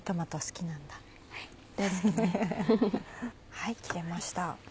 はい切れました。